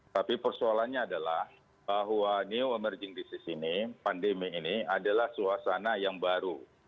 tapi persoalannya adalah bahwa new emerging disease ini pandemi ini adalah suasana yang baru